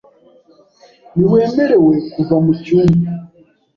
Ntiwemerewe kuva mucyumba .